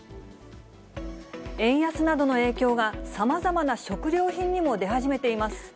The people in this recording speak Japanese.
円安などの影響が、さまざまな食料品にも出始めています。